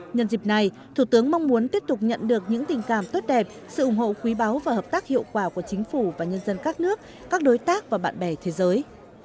nhân dịp này thủ tướng mong muốn tiếp tục nhận được những tình cảm tốt đẹp sự ủng hộ quý báo và hợp tác hiệu quả của chính phủ và nhân dân các nước các đối tác và bạn bè thế giới